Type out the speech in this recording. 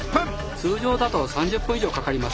通常だと３０分以上かかります。